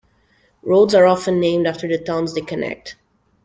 Roads are often named after the towns they connect.